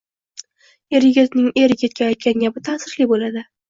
“Er yigitning er yigitga aytgan gapi ta’sirli bo‘ladi”